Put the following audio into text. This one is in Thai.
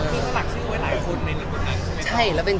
มีศักดิ์ชื่อไว้หลายคนในภูมิภังใช่ไหม